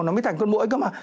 nó mới thành con bụi cơ mà